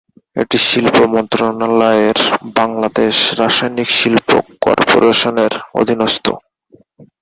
এটি শিল্প মন্ত্রণালয়ের বাংলাদেশ রাসায়নিক শিল্প কর্পোরেশনের অধীনস্থ।